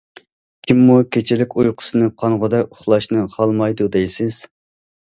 كىممۇ كېچىلىك ئۇيقۇسىنى قانغۇدەك ئۇخلاشنى خالىمايدۇ، دەيسىز!